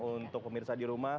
untuk pemirsa di rumah